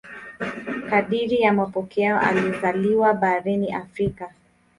Kadiri ya mapokeo alizaliwa barani Afrika.